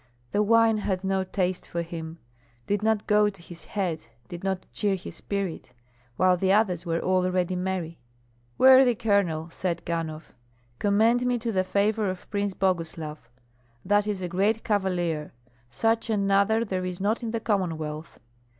The wine had no taste for him, did not go to his head, did not cheer his spirit, while the others were already merry. "Worthy Colonel," said Ganhoff, "commend me to the favor of Prince Boguslav. That is a great cavalier; such another there is not in the Commonwealth.